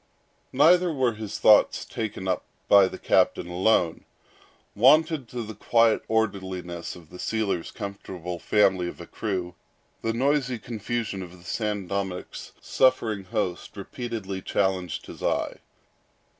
Neither were his thoughts taken up by the captain alone. Wonted to the quiet orderliness of the sealer's comfortable family of a crew, the noisy confusion of the San Dominick's suffering host repeatedly challenged his eye.